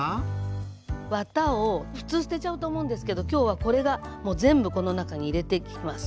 わたをふつう捨てちゃうと思うんですけどきょうはこれが全部この中に入れていきます。